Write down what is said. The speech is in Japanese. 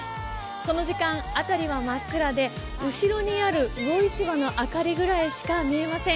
この時間、辺りは真っ暗で、後ろにある魚市場の明かりぐらいしか見えません。